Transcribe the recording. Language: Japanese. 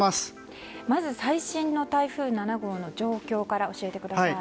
まず最新の台風７号の状況から教えてください。